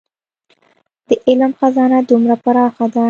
د علم خزانه دومره پراخه ده.